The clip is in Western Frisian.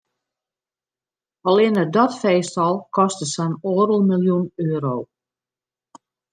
Allinne dat feest al koste sa'n oardel miljoen euro.